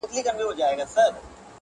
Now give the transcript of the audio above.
مُلا مي په زر ځله له احواله دی پوښتلی٫